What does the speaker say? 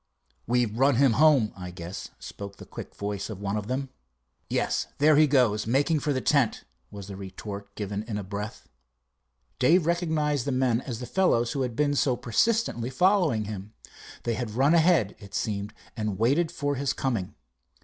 "We've run him home, I guess," spoke the quick voice of one of them. "Yes, there he goes, making for the tent," was the retort given in a breath. Dave recognized the men as the fellows who had been so persistently following him. They had run ahead, it seemed, and waited for his coming.